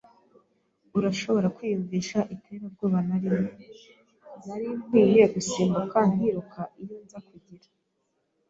Urashobora kwiyumvisha iterabwoba narimo! Nari nkwiye gusimbuka nkiruka iyo nza kugira